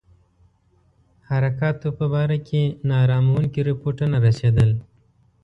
حرکاتو په باره کې نا اراموونکي رپوټونه رسېدل.